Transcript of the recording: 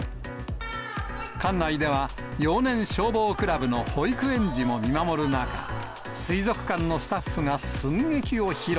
館内では幼年消防クラブの保育園児も見守る中、水族館のスタッフが寸劇を披露。